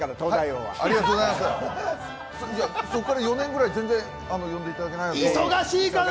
そこから４年ぐらい全然呼んでいただけないなと忙しいから！